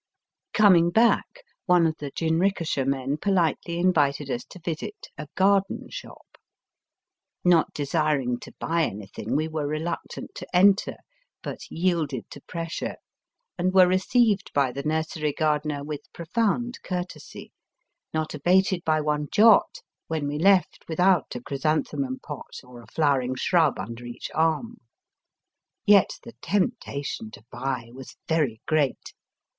Coming back one of the jinrikisha men politely invited us to visit a *' garden shop." Not desiring to buy anything, we were reluc tant to enter, but yielded to pressure, and were received by the nursery gardener with profound courtesy, not abated by one jot when we left without a chrysanthemum pot or a flowering shrub under each arm. Yet the temptation to buy was very great.